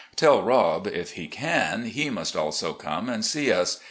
Tell Rob, if he can, he must also come and see us.